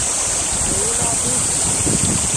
ڤے یوڑا پوف